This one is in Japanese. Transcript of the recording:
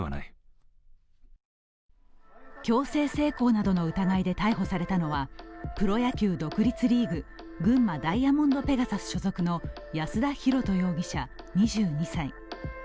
強制性交などの疑いで逮捕されたのはプロ野球独立リーグ・群馬ダイヤモンドペガサス所属の安田尋登容疑者２２歳。